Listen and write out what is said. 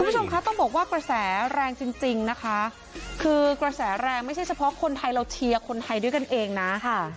คุณผู้ชมคะต้องบอกว่ากระแสแรงจริงจริงนะคะคือกระแสแรงไม่ใช่เฉพาะคนไทยเราเชียร์คนไทยด้วยกันเองนะค่ะ